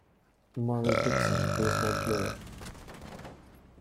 Murry Dickson, baseball player.